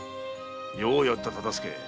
ようやった忠相。